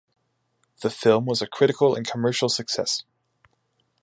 The film was a critical and commercial success.